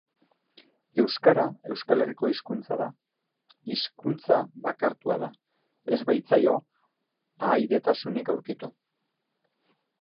Euskara Euskal Herriko hizkuntza da. Hizkuntza bakartua da, ez baitzaio ahaidetasunik aurkitu.